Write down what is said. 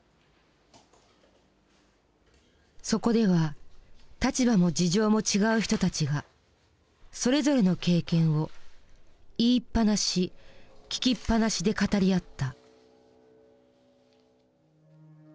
そこでは立場も事情も違う人たちがそれぞれの経験を「言いっぱなし聞きっぱなし」で語り合った。